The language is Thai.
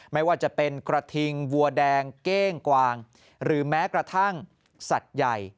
ไม่ว่าจะเป็นกระทิงวัวแดงเก้งกวางหรือแม้กระทั่งสัตว์ใหญ่